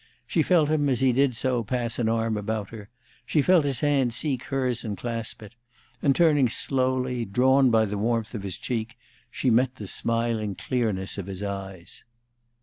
She felt him, as he did so, pass an arm about her, she felt his hand seek hers and clasp it, and turning slowly, drawn by the warmth of his cheek, she met the smiling clearness of his eyes.